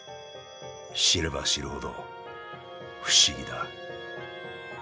知れば知るほど不思議だ。